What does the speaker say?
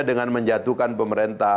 dengan menjatuhkan pemerintah